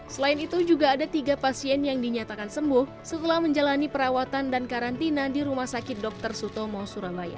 selain itu juga ada tiga pasien yang dinyatakan sembuh setelah menjalani perawatan dan karantina di rumah sakit dr sutomo surabaya